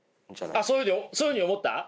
あっそういうふうに思った？